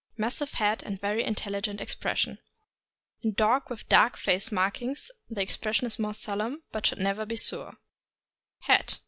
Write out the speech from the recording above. Massive head and very intel ligent expression. In dogs with dark face markings the expression is more solemn, but should never be sour. Head.